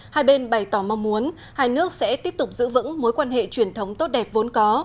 hai bên bày tỏ mong muốn hai nước sẽ tiếp tục giữ vững mối quan hệ truyền thống tốt đẹp vốn có